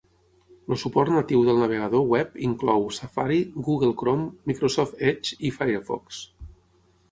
El suport natiu del navegador web inclou: Safari, Google Chrome, Microsoft Edge i Firefox.